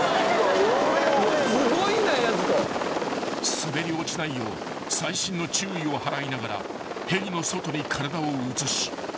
［滑り落ちないよう細心の注意を払いながらヘリの外に体を移し］